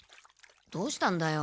どうしたんだよ？